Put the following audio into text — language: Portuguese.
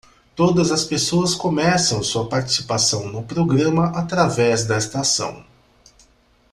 Todas as pessoas começam sua participação no programa através desta ação.